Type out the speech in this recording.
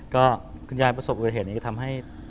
ก็คุณยายประสบประติธิภัยนี้ทำให้